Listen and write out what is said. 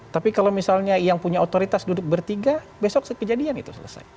tapi kalau misalnya yang punya otoritas duduk bertiga besok kejadian itu selesai